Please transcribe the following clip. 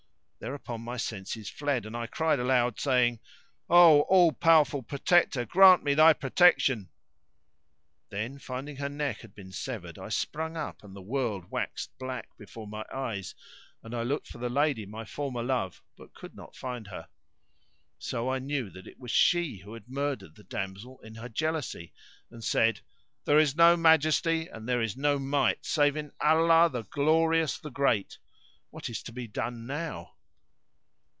Thereupon my senses fled and I cried aloud, saying, "O All powerful Protector, grant me Thy protection!" Then finding her neck had been severed, I sprung up and the world waxed black before my eyes, and I looked for the lady, my former love, but could not find her. So I knew that it was she who had murdered the damsel in her jealousy,[FN#590] and said, "There is no Majesty and there is no Might save in Allah, the Glorious, the Great! What is to be done now?"